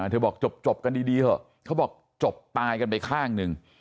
เธอบอกจบกันดีเถอะเขาบอกจบตายกันไปข้างหนึ่ง